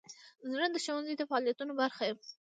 زه د ښوونځي د فعالیتونو برخه یم.